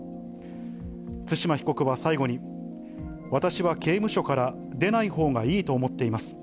対馬被告は最後に、私は刑務所から出ないほうがいいと思っています。